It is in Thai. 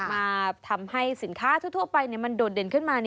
มาทำให้สินค้าทั่วไปมันโดดเด่นขึ้นมา